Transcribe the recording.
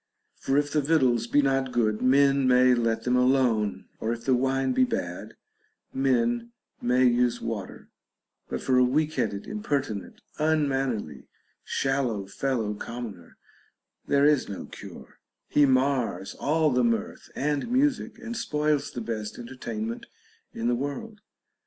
For if the victuals be not good, men may let them alone, or if the wine be bad, men may use water ; but for a weak headed, impertinent, unmannerly, shallow fellow commoner there is no cure ; he mars all the mirth and music, and spoils the best entertainment in the world.